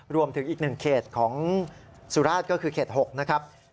รวมถึงอีก๑เขตของสุราชก็คือเขต๖นะครับ